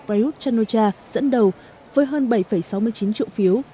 prayuth chan o cha dẫn đầu với hơn bảy sáu mươi chín triệu phiếu